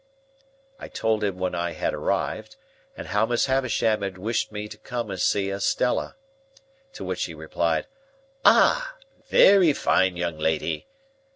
I told him when I had arrived, and how Miss Havisham had wished me to come and see Estella. To which he replied, "Ah! Very fine young lady!"